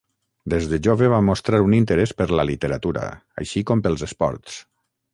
Des de jove va mostrar un interès per la literatura, així com pels esports.